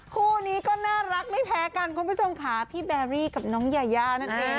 คู่นี้ก็น่ารักไม่แพ้กันคุณผู้ชมค่ะพี่แบรี่กับน้องยายานั่นเอง